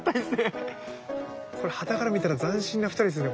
これはたから見たら斬新な２人ですよね